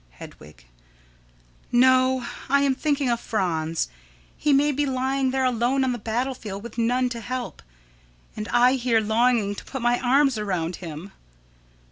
Hedwig: No; I am thinking of Franz. He may be lying there alone on the battle field, with none to help, and I here longing to put my arms around him.